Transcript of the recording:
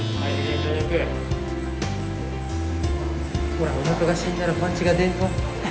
ほらおなかが死んだらパンチが出んぞ。